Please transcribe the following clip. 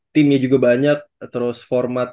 timnya juga banyak terus format